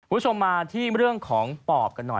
คุณผู้ชมมาที่เรื่องของปอบกันหน่อย